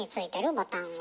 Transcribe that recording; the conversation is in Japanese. ボタンは。